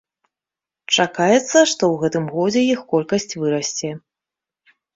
Чакаецца, што ў гэтым годзе іх колькасць вырасце.